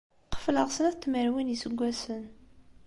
Qefleɣ snat n tmerwin n yiseggasen.